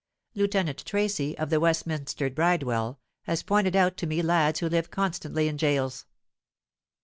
Lieutenant Tracy, of the Westminster Bridewell, has pointed out to me lads who live constantly in gaols.